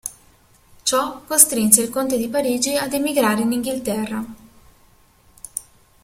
Ciò costrinse il conte di Parigi ad emigrare in Inghilterra.